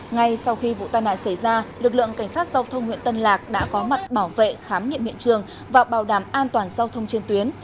ngay sau khi vụ tai nạn xảy ra lực lượng cảnh sát giao thông huyện tân lạc đã có mặt bảo vệ khám nghiệm hiện trường và bảo đảm an toàn giao thông trên tuyến